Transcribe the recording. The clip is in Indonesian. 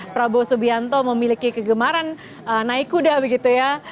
prabowo subianto memiliki kegemaran naik kuda begitu ya